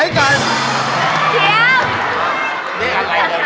มีความรู้สึกว่า